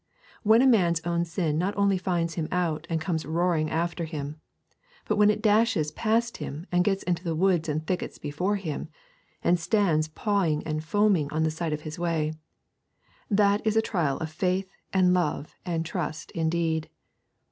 When a man's own sin not only finds him out and comes roaring after him, but when it dashes past him and gets into the woods and thickets before him, and stands pawing and foaming on the side of his way, that is a trial of faith and love and trust indeed.